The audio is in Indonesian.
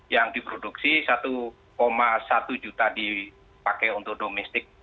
yang diproduksi satu satu juta dipakai untuk domestik